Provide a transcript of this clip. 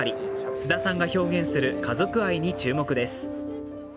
菅田さんが表現する家族愛に注目です。